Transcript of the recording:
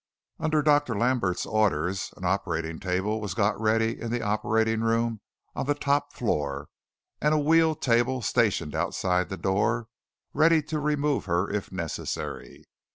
Under Doctor Lambert's orders an operating table was got ready in the operating room on the top floor and a wheel table stationed outside the door, ready to remove her if necessary.